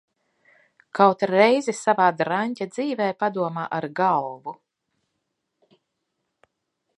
Kaut reizi savā draņķa dzīvē padomā ar galvu!